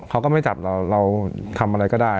เขาก็ไม่จับเราเราทำอะไรก็ได้